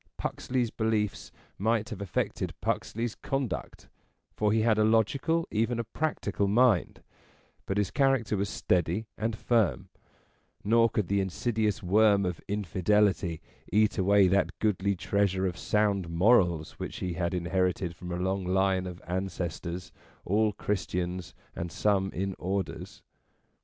Puxley's beliefs might have affected Puxley's conduct, for he had a logical, even a practical, mind ; but his character was steady and firm ; nor could the insidious worm of Infidelity eat away that goodly treasure of sound morals which he had inherited from a long line of ancestors, all Christians, and some in Orders.